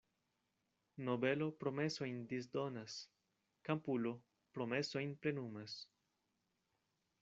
Nobelo promesojn disdonas, kampulo promesojn plenumas.